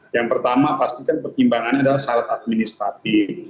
yang pertama pastikan pertimbangannya adalah syarat administratif